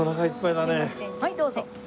はいどうぞ。